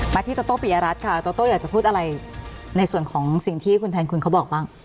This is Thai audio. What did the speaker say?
ที่ดรโต้ปิยรัฐค่ะดอโต้อยากจะพูดอะไรในส่วนของสิ่งที่คุณแทนคุณเขาบอกบ้าง